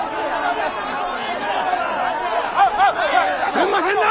すんませんな！